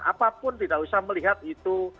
apapun tidak usah melihat itu